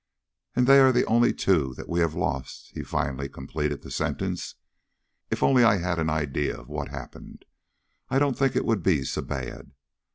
"And they are the only two that we have lost," he finally completed the sentence. "If only I had an idea of what happened, I don't think it would be so bad.